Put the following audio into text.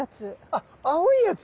あっ青いやつ？